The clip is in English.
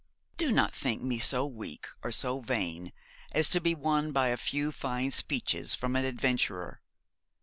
Do not think me so weak or so vain as to be won by a few fine speeches from an adventurer.